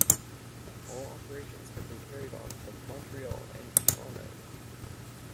All operations have been carried on from Montreal and Toronto.